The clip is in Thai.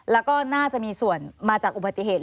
แล้วก็น่าจะมีส่วนมาจากอุบัติเหตุ